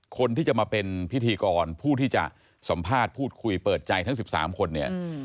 คนที่จะมาเป็นพิธีกรผู้ที่จะสัมภาษณ์พูดคุยเปิดใจทั้ง๑๓คนเนี่ย